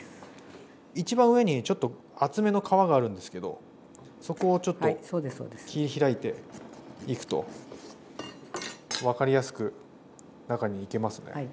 一番上にちょっと厚めの皮があるんですけどそこをちょっと切り開いていくと分かりやすく中にいけますね。